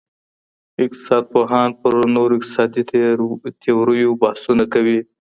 اقتصاد پوهان پر نویو اقتصادي تیوریو بحثونه کوي.